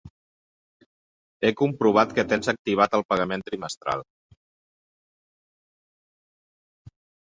He comprovat que tens activat el pagament trimestral.